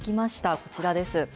こちらです。